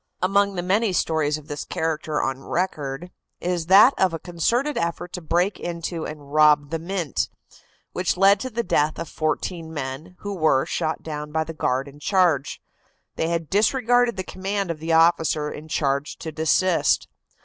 Among the many stories of this character on record is that of a concerted effort to break into and rob the Mint, which led to the death of fourteen men, who were shot down by the guard in charge. They had disregarded the command of the officer in charge to desist.